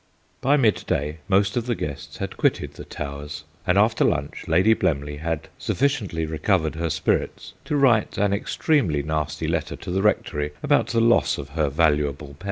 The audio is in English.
By midday most of the guests had quitted the Towers, and after lunch Lady Blemley had sufficiently recovered her spirits to write an extremely nasty letter to the Rectory about the loss of her valuable pet.